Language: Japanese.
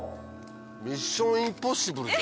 『ミッション：インポッシブル』じゃん！